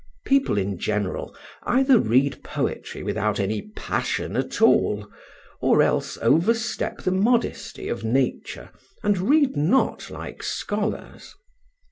People in general either read poetry without any passion at all, or else overstep the modesty of nature, and read not like scholars.